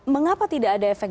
mengapa tidak ada efek